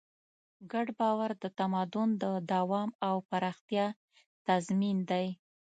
ګډ باور د تمدن د دوام او پراختیا تضمین دی.